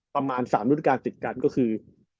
ประมาณ๓รุ่นการติดกันก็คือ